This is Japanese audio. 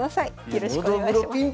よろしくお願いします。